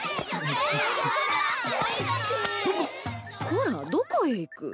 こらどこへ行く。